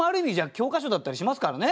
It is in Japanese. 教科書だったりしますからね。